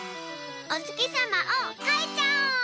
おつきさまをかいちゃおう！